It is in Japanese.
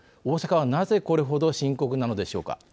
大阪はなぜこれほど深刻なのでしょうか。